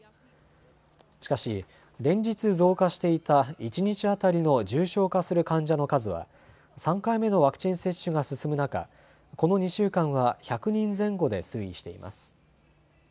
しかし、連日増加していた一日当たりの重症化する患者の数は３回目のワクチン接種が進む中、この２週間は１００人前後で推移しています。